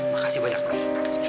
makasih banyak mas